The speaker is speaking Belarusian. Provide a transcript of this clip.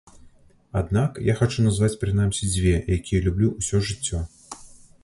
Аднак я хачу назваць прынамсі дзве, якія люблю ўсё жыццё.